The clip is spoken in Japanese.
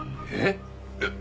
えっ！？